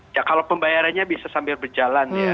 ya kalau pembayarannya bisa sambil berjalan ya